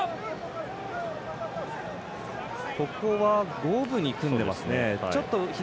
ここは五分に組んでますね。